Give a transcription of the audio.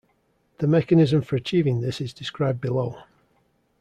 The mechanism for achieving this is described below.